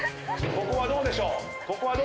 ここはどうでしょう？